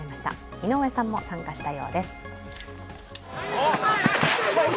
井上さんも参加したようです。